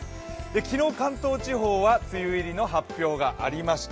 昨日、関東地方は梅雨入りの発表がありました。